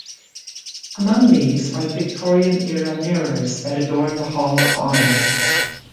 Among these are the Victorian era mirrors that adorn the Hall of Honor.